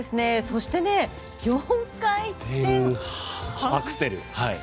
そして、４回転アクセル。